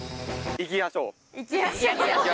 行きやしょう。